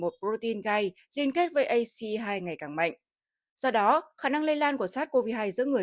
một protein gai liên kết với aci hai ngày càng mạnh do đó khả năng lây lan của sars cov hai giữa người